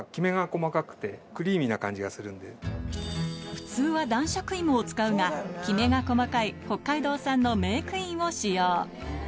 普通は男爵芋を使うがキメが細かい北海道産のメークインを使用